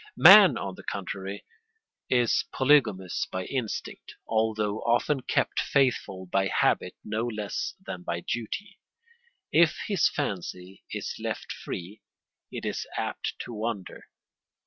] Man, on the contrary, is polygamous by instinct, although often kept faithful by habit no less than by duty. If his fancy is left free, it is apt to wander.